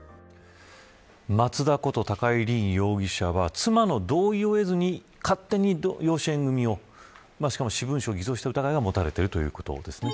松田こと高井凜容疑者は妻の同意を得ずに勝手に養子縁組をしかも私文書偽造した疑いが持たれているということですね。